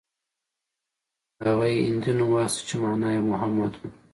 هغه يې هندي نوم واخيست چې مانا يې محمد و.